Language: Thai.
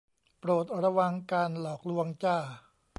โปรดระวังการหลอกลวงจ้า